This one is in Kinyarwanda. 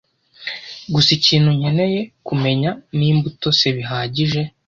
Gusa ikintu nkeneye kumenya nimba utose bihagije